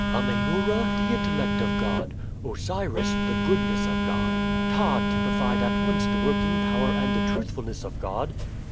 Ameura, the intellect of God. Osiris, the goodness of God. Ptah typified at once the working power and the truthfulness of God.